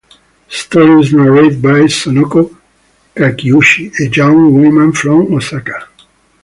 The story is narrated by Sonoko Kakiuchi, a young woman from Osaka.